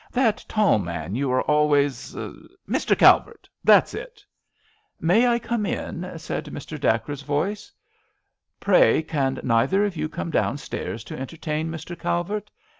That tall man you are always Mr. Calvert ; that's it !"" May I come in ?" said Mr. Dacres's voice. " Pray can neither of you come downstairs to entertain Mr. Cal vert